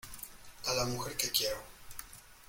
a la mujer que quiero.